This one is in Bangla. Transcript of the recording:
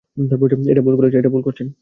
এটা ভুল করছেন।